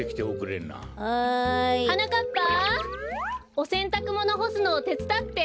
おせんたくものほすのてつだって！